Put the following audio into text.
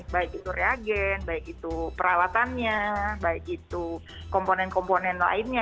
baik itu reagen baik itu peralatannya baik itu komponen komponen lainnya